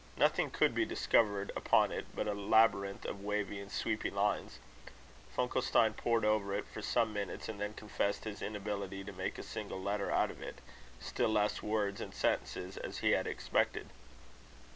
Nothing could be discovered upon it, but a labyrinth of wavy and sweepy lines. Funkelstein pored over it for some minutes, and then confessed his inability to make a single letter out of it, still less words and sentences, as he had expected.